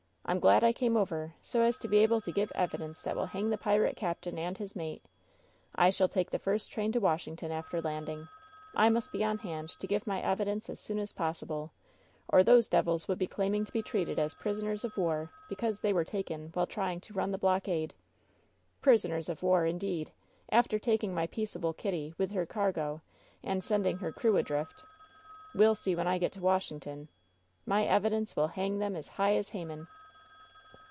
I'm glad I came over, so as to be able to give evidence that will hang the pirate captain and his mate! I shall take the first train to Washington, after landing! I must be on hand to give my evidence as soon as possible, or those devils will be claiming to be treated as prisoners of war, because they were taken while trying to run the blockade! Prisoners of war, indeed, after taking my peaceable Kitty, with her cargo, and sending her crew adrift! We'll see when I get to Washington! My evidence will hang them as high as Haman!"